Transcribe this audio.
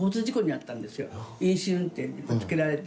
飲酒運転にぶつけられて。